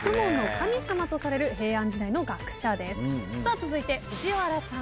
続いて藤原さん。